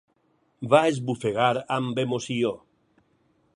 Va esbufegar amb emoció.